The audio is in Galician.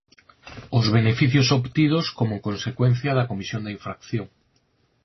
Os beneficios obtidos como consecuencia da comisión da infracción.